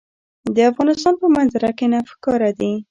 د افغانستان په منظره کې نفت ښکاره دي.